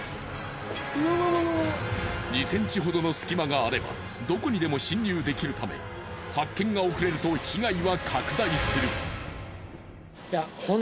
２ｃｍほどの隙間があればどこにでも侵入できるため発見が遅れると被害は拡大する。